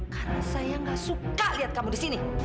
karena saya gak suka lihat kamu disini